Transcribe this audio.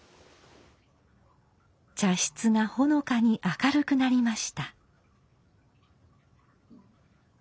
茶室がほのかに明るくなりました。